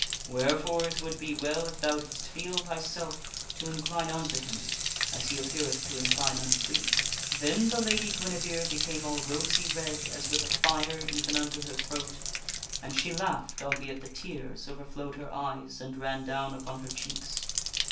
Wherefore it would be well if thou didst feel thyself to incline unto him as he appeareth to incline unto thee." Then the Lady Guinevere became all rosy red as with a fire even unto her throat. And she laughed, albeit the tears overflowed her eyes and ran down upon her cheeks.